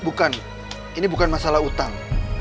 bukan ini bukan masalah utang